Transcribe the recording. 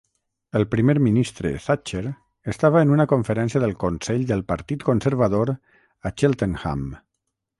El primer ministre Thatcher estava en una conferència del Consell del Partit Conservador a Cheltenham.